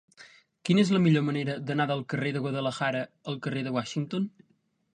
Quina és la millor manera d'anar del carrer de Guadalajara al carrer de Washington?